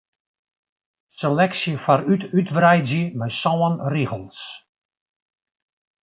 Seleksje foarút útwreidzje mei sân rigels.